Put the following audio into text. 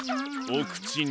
おくちに。